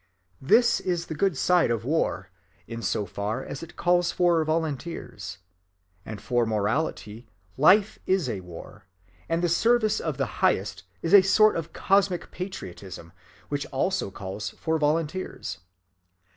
This is the good side of war, in so far as it calls for "volunteers." And for morality life is a war, and the service of the highest is a sort of cosmic patriotism which also calls for volunteers.